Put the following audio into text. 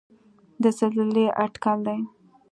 د زلزلې اټکل دی.